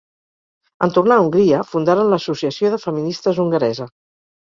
En tornar a Hongria, fundaren l'Associació de Feministes hongaresa.